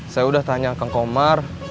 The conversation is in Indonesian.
saya udah tanya ke komar